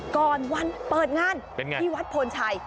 ก่อนวันเปิดงานที่วัดโพนชัย